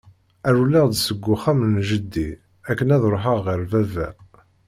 Rewleɣ-d seg uxxam n jeddi akken ad ruḥeɣ ɣer baba.